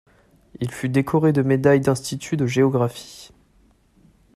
Il fut décoré de médailles d'instituts de géographie.